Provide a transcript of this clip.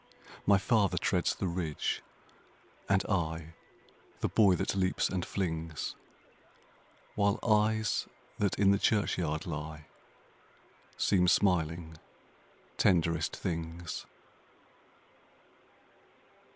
My father treads the ridge, and I The boy that leaps and flings, While eyes that in the churchyard lie Seem smiling tenderest things.